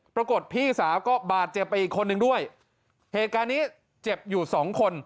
พี่สาวก็บาดเจ็บไปอีกคนนึงด้วยเหตุการณ์นี้เจ็บอยู่สองคน